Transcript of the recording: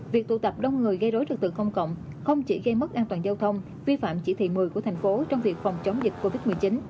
việc tụ tập đông người gây rối trực tự công cộng không chỉ gây mất an toàn giao thông vi phạm chỉ thị một mươi của thành phố trong việc phòng chống dịch covid một mươi chín